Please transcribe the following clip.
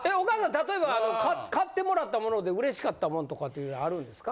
例えば買ってもらった物で嬉しかったもんとかっていうのあるんですか？